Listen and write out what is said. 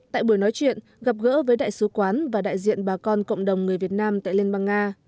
tại buổi nói chuyện gặp gỡ với đại sứ quán và đại diện bà con cộng đồng người việt nam tại liên bang nga